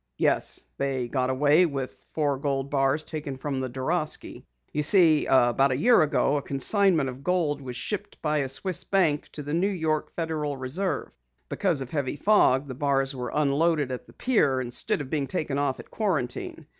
"Yes, they got away with four gold bars taken from the Dorasky. You see, about a year ago a consignment of gold was shipped by a Swiss bank to the New York Federal Reserve. Because of heavy fog the bars were unloaded at the pier instead of being taken off at Quarantine.